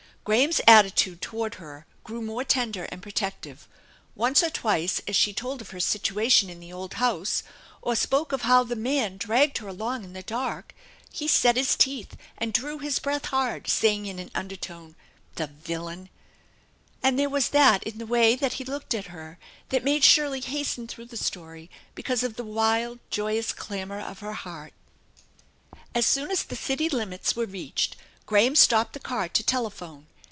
Gra ham's attitude toward her grew more tender and protective. Once or twice as she told of her situation in the old house, or spoke of how the man dragged her along in the dark, he set his teeth and drew his breath hard, saying in an undertone :" The villain !" And there was that in the way that he looked at her that made Shirley hasten through the story, because of the wild, joyous clamor of her heart. As soon as the city limits were reached, Graham stopped the car to telephone.